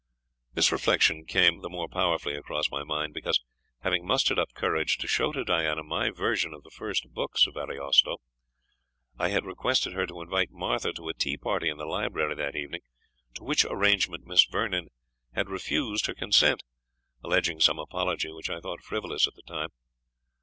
This reflection came the more powerfully across my mind, because, having mustered up courage to show to Diana my version of the first books of Ariosto, I had requested her to invite Martha to a tea party in the library that evening, to which arrangement Miss Vernon had refused her consent, alleging some apology which I thought frivolous at the time.